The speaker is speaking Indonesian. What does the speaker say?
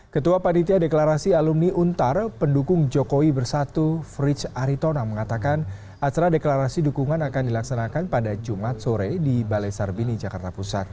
ketua panitia deklarasi alumni untar pendukung jokowi bersatu fritch aritona mengatakan acara deklarasi dukungan akan dilaksanakan pada jumat sore di balai sarbini jakarta pusat